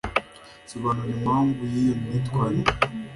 sobanura impamvu yiyo myitwarire